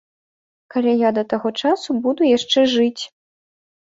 Калі я да таго часу буду яшчэ жыць.